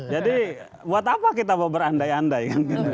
tapi buat apa kita berandai andai